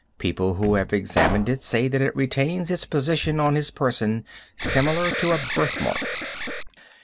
People who have examined it say that it retains its position on his person similar to a birthmark.